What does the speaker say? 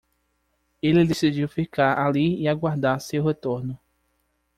Ele decidiu ficar ali e aguardar seu retorno.